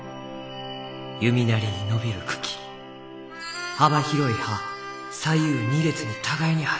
弓なりに伸びる茎幅広い葉左右２列に互いに生えちゅう。